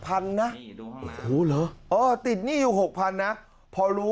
อาทิตย์๒๕อาทิตย์